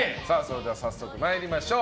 早速参りましょう。